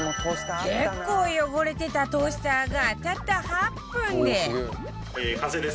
結構汚れてたトースターがたった８分で